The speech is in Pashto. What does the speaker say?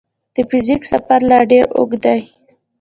د فزیک سفر لا ډېر اوږ دی.